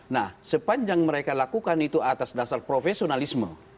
nah sepanjang mereka lakukan itu atas dasar profesionalisme